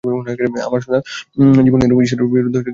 আমার সমুদয় জীবন এরূপ ঈশ্বরের বিরুদ্ধে যুদ্ধে অতিবাহিত হইবে।